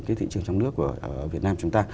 cái thị trường trong nước của việt nam chúng ta